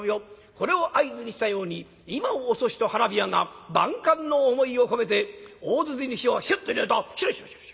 これを合図にしたように今を遅しと花火屋が万感の思いを込めて大筒に火をヒュッと入れるとシュルシュルシュ。